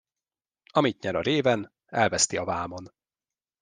Amit nyer a réven, elveszti a vámon.